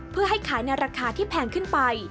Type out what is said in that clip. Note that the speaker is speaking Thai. เพื่อให้ขายในราคาที่แพงขึ้นไป